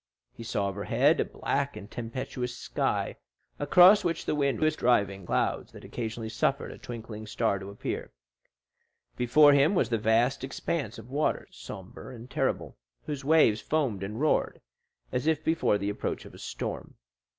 He saw overhead a black and tempestuous sky, across which the wind was driving clouds that occasionally suffered a twinkling star to appear; before him was the vast expanse of waters, sombre and terrible, whose waves foamed and roared as if before the approach of a storm.